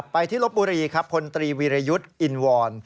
ไปที่ลบบุรีครับพลตรีวีรยุทธ์อินวร